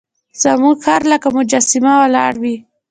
زموږ خر لکه مجسمه ولاړ وي.